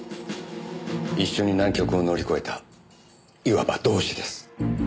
一緒に難局を乗り越えたいわば同志です。